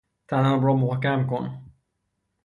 طناب را محکم کن